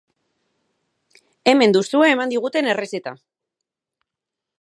Hemen duzue eman diguten errezeta.